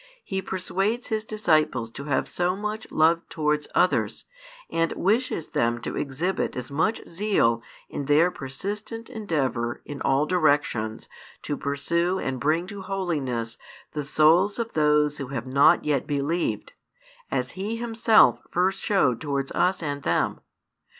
He persuades His disciples to have so much love towards others, and wishes them to exhibit as much zeal in their persistent endeavour in all directions to pursue and bring to holiness the souls of those who have not yet believed, as He Himself first showed towards us and them.